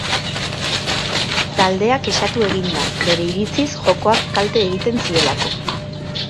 Taldea kexatu egin da, bere iritziz, jokoak kalte egiten zielako.